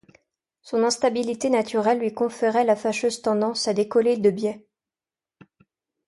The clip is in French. Son instabilité naturelle lui conférait la fâcheuse tendance à décoller de biais.